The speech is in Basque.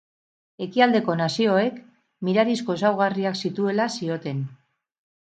Ekialdeko nazioek, mirarizko ezaugarriak zituela zioten.